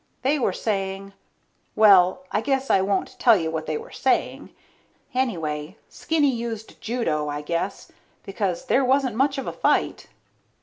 They were saying ... Well, I guess I won't tell you what they were saying. Anyway, Skinny used judo, I guess, because there wasn't much of a fight.